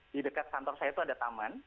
di dekat kantor saya itu ada taman